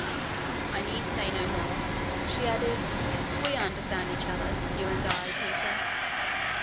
'I need say no more,' she added, 'for we understand each other you and I, Peter.'